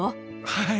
はい。